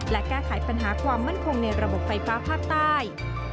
และแก้ไขปัญหาความมั่นคงในระบบไฟฟ้าภาคใต้